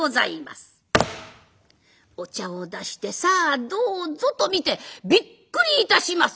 お茶を出して「さあどうぞ」と見てびっくりいたします。